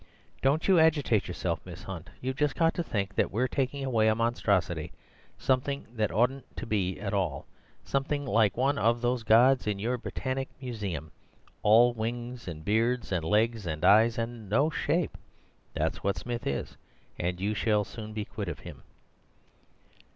Don't you agitate yourself, Miss Hunt. You've just got to think that we're taking away a monstrosity, something that oughtn't to be at all—something like one of those gods in your Britannic Museum, all wings, and beards, and legs, and eyes, and no shape. That's what Smith is, and you shall soon be quit of him."